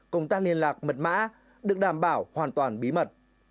công tác liên lạc mật mã được đảm bảo hoàn toàn bí mật